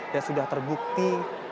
yang sudah terbukti